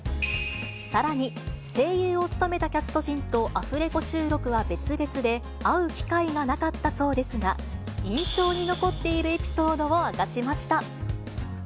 さらに、声優を務めたキャスト陣とアフレコ収録は別々で、会う機会がなかったそうですが、印象に残っているエピソードを明かしました。